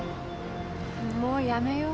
もうやめよう。